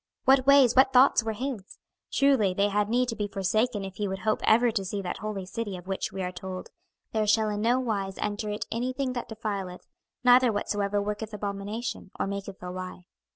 What ways, what thoughts were his! Truly they had need to be forsaken if he would hope ever to see that holy city of which we are told "There shall in no wise enter it anything that defileth, neither whatsoever worketh abomination, or maketh a lie."